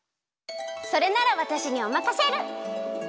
それならわたしにおまかシェル！